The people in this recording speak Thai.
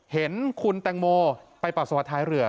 เห็นคุณแตงโมไปปัสสาวะท้ายเรือ